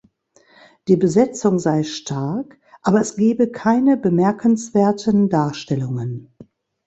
Die Besetzung sei „stark“, aber es gebe keine bemerkenswerten Darstellungen.